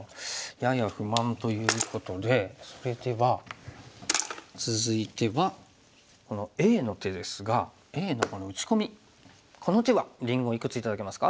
やや不満ということでそれでは続いてはこのＡの手ですがＡのこの打ち込みこの手はりんごいくつ頂けますか？